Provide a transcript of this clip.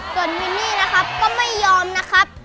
ส่วนมินนี่นะครับก็ไม่ยอมนะครับ